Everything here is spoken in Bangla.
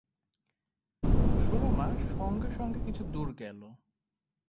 সুরমা সঙ্গে সঙ্গে কিছু দূর গেল।